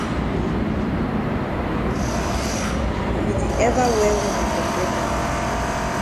We we di ever wear na comple comple.